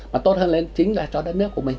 mà tốt hơn lên chính là cho đất nước của mình